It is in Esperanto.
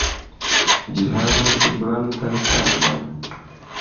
Ĝi havas blankan karnon.